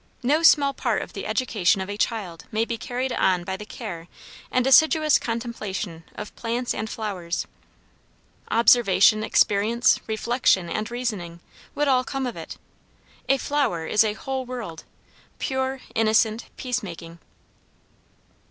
No small part of the education of a child may be carried on by the care and assiduous contemplation of plants and flowers. Observation, experience, reflection, and reasoning, would all come of it. A flower is a whole world, pure, innocent, peacemaking.